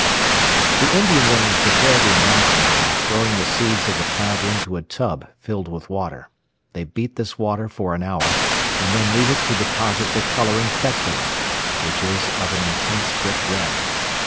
The Indian women prepare the anato by throwing the seeds of the plant into a tub filled with water. They beat this water for an hour, and then leave it to deposit the colouring fecula, which is of an intense brick red.